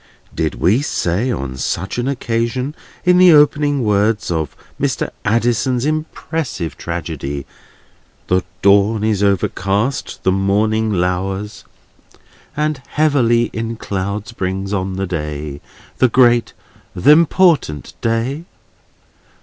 Did we say, on such an occasion, in the opening words of Mr. Addison's impressive tragedy: "The dawn is overcast, the morning lowers, And heavily in clouds brings on the day, The great, th' important day—?"